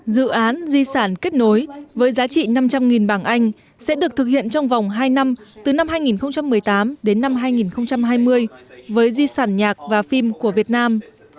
dự án di sản kết nối với giá trị năm trăm linh bảng anh sẽ được thực hiện trong vòng hai năm từ năm hai nghìn một mươi tám đến năm hai nghìn hai mươi với di sản nhạc và phim của việt nam